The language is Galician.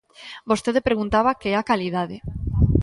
Vostede preguntaba que é a calidade.